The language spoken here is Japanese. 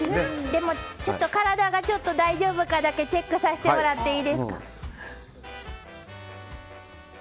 でも、体が大丈夫かだけチェックさせてもらっていいですか。